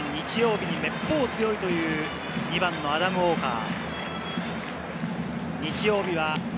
日曜日にめっぽう強いという２番のアダム・ウォーカー。